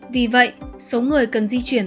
vì vậy số người cần di chuyển